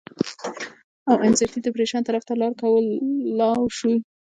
او انزائټي ډپرېشن طرف ته لار کولاو شي